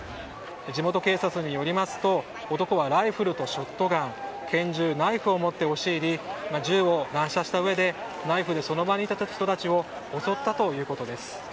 地元警察によりますと男はライフルとショットガン拳銃、ナイフを持って押し入り銃を乱射したうえでナイフでその場にいた人たちを襲ったということです。